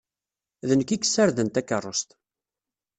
D nekk i yessarden takeṛṛust.